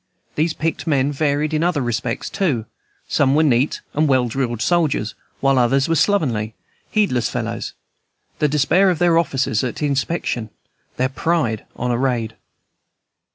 These picked men varied in other respects too; some were neat and well drilled soldiers, while others were slovenly, heedless fellows, the despair of their officers at inspection, their pride on a raid.